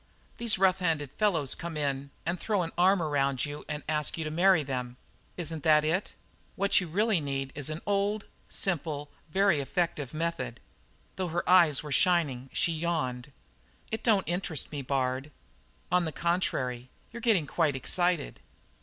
These rough handed fellows come in and throw an arm around you and ask you to marry them; isn't that it? What you really need, is an old, simple, but very effective method." Though her eyes were shining, she yawned. "It don't interest me, Bard." "On the contrary, you're getting quite excited."